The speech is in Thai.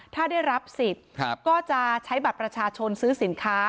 ถ้าได้รับสิทธิ์ก็จะใช้บัตรประชาชนซื้อสินค้า